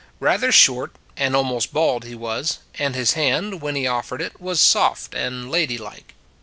Rather short, and almost bald he was, and his hand, when he offered it, was soft and ladylike.